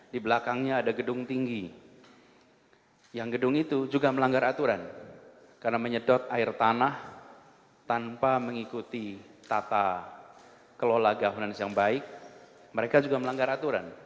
di belakangnya ada gedung tinggi yang gedung itu juga melanggar aturan karena menyedot air tanah tanpa mengikuti tata kelola gahunan yang baik mereka juga melanggar aturan